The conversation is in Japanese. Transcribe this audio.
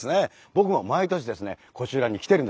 僕も毎年ですねこちらに来てるんです。